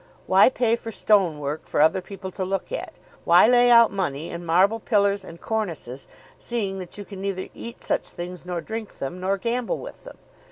Why pay for stone work for other people to look at; why lay out money in marble pillars and cornices, seeing that you can neither eat such things, nor drink them, nor gamble with them?